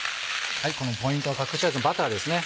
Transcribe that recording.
ポイントは隠し味のバターですね。